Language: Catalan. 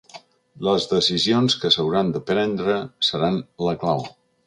Les decisions que s’hauran de prendre seran la clau.